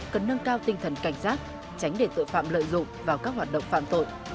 cần nâng cao tinh thần cảnh giác tránh để tội phạm lợi dụng vào các hoạt động phạm tội